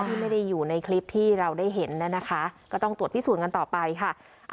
ที่ไม่ได้อยู่ในคลิปที่เราได้เห็นน่ะนะคะก็ต้องตรวจพิสูจน์กันต่อไปค่ะ